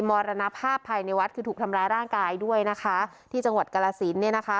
มรณภาพภายในวัดคือถูกทำร้ายร่างกายด้วยนะคะที่จังหวัดกรสินเนี่ยนะคะ